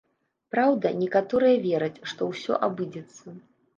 Праўда, некаторыя вераць, што ўсё абыдзецца.